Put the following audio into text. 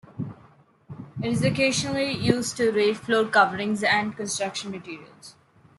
It is occasionally used to rate floor coverings and construction materials.